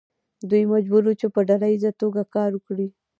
دوی مجبور وو چې په ډله ایزه توګه کار وکړي.